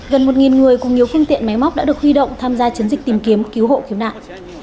gần một người cùng nhiều phương tiện máy móc đã được huy động tham gia chiến dịch tìm kiếm cứu hộ khiếu nại